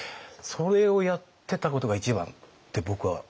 それをやってたことが一番って僕は思ったんですね。